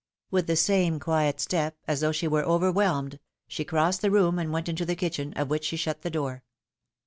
With the same quiet step, as though she were overwhelmed, she crossed the room and went into the kitchen, of which she shut the door.